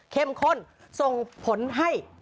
เข้มข้นส่งผลให้